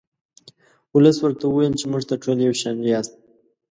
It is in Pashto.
ولس ورته وویل چې موږ ته ټول یو شان یاست.